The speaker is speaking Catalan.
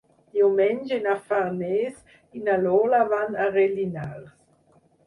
Diumenge na Farners i na Lola van a Rellinars.